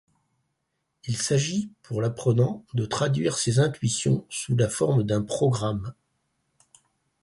Il s'agit, pour l'apprenant, de traduire ses intuitions sous la forme d'un programme.